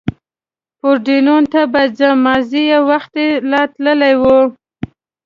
پورډېنون ته به ځم، مازې یې وختي لا تللي و.